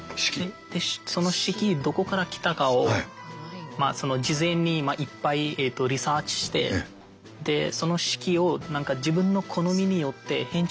その式どこから来たかを事前にいっぱいリサーチしてその式を自分の好みによって編集してるんですよ。